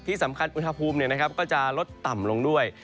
ที่สำคัญอุณหภูมิก็จะลดต่ำลงด้วย